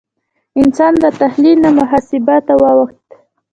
انسان له تخیل نه محاسبه ته واوښت.